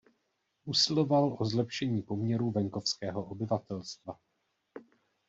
Usiloval o zlepšení poměrů venkovského obyvatelstva.